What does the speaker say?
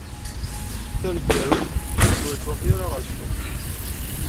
Taneggarut akken ur yettruḥu ara ɣer ssuq.